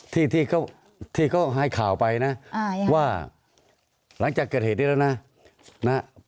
ที่เขาที่เขาให้ข่าวไปนะว่าหลังจากเกิดเหตุนี้แล้วนะ